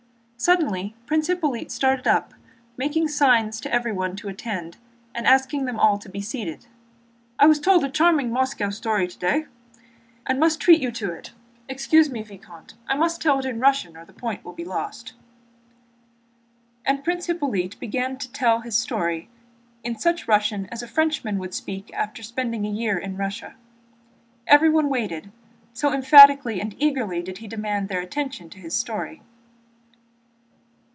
Suddenly Prince Hippolyte started up making signs to everyone to attend, and asking them all to be seated began: "I was told a charming Moscow story today and must treat you to it. Excuse me, Vicomte—I must tell it in Russian or the point will be lost...." And Prince Hippolyte began to tell his story in such Russian as a Frenchman would speak after spending about a year in Russia. Everyone waited, so emphatically and eagerly did he demand their attention to his story.